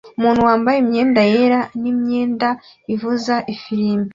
Umuntu wambaye imyenda yera n imyenda ivuza ifirimbi